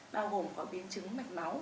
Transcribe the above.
bao gồm có biến chứng mạch máu